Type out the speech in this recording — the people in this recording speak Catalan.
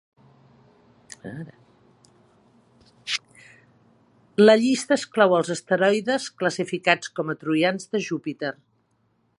La llista exclou els asteroides classificats com a troians de Júpiter.